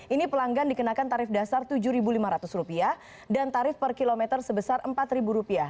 ini pelanggan dikenakan tarif dasar rp tujuh lima ratus dan tarif per kilometer sebesar rp empat